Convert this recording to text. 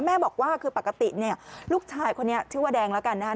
แม่บอกว่าคือปกติเนี่ยลูกชายคนนี้ชื่อว่าแดงแล้วกันนะครับ